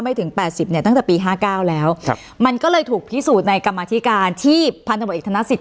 ถึงแปดสิบเนี่ยตั้งแต่ปีห้าเก้าแล้วครับมันก็เลยถูกพิสูจน์ในกรรมธิการที่พันธบทเอกธนสิทธ